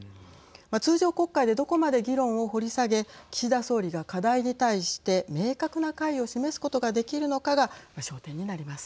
通常国会でどこまで議論を掘り下げ岸田総理が課題に対して明確な解を示すことができるのかが焦点になります。